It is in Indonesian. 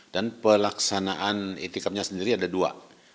dan pelaksanaan itikafnya sendiri ada dua